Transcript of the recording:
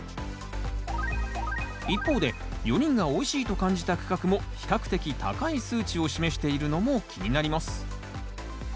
一方で４人がおいしいと感じた区画も比較的高い数値を示しているのも気になります